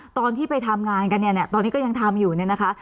ตอนที่ไปทำงานกันเนี่ยเนี่ยตอนนี้ก็ยังทำอยู่เนี่ยนะคะ